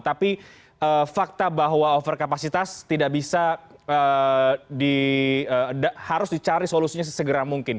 tapi fakta bahwa overcapacitas tidak bisa di harus dicari solusinya segera mungkin